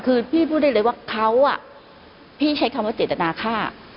คือพี่พูดได้เลยว่าเขาอ่ะพี่ใช้คำว่าเจตนาฆ่า